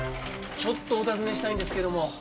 ちょっとお尋ねしたいんですけども。